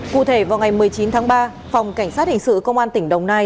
cụ thể vào ngày một mươi chín tháng ba phòng cảnh sát hình sự công an tỉnh đồng nai